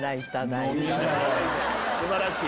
素晴らしい！